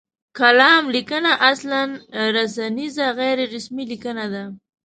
کالم لیکنه اصلا رسنیزه غیر رسمي لیکنه ده.